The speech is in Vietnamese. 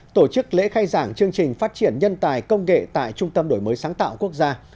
tổ chức lễ khai giảng chương trình phát triển nhân tài công nghệ tại trung tâm đổi mới sáng tạo quốc gia